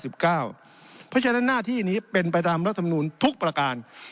เพราะฉะนั้นหน้าที่นี้เป็นไปตามรัฐมนูลทุกประการ